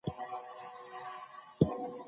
هغوی د خپلو لاسونو په پاک ساتلو بوخت دي.